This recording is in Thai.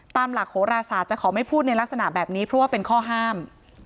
ตามหลักโหราศาสตร์จะขอไม่พูดในลักษณะแบบนี้เพราะว่าเป็นข้อห้าม